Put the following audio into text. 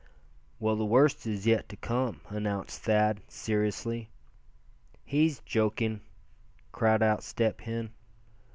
"Well, the worst is yet to come!" announced Thad, seriously. "He's joking," cried out Step Hen.